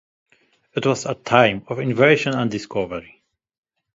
It was a time of invention and discovery.